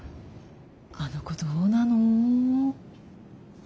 あの子どうなの？